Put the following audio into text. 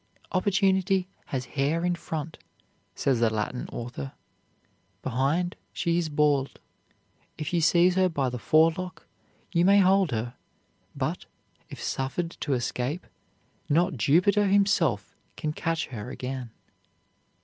"Opportunity has hair in front," says a Latin author; "behind she is bald; if you seize her by the forelock, you may hold her, but, if suffered to escape, not Jupiter himself can catch her again."